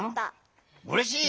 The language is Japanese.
うれしい！